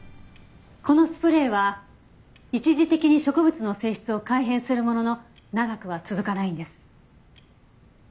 このスプレーは一時的に植物の性質を改変するものの長くは続かないんです。